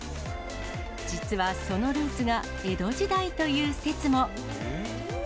実はそのルーツが江戸時代という説も。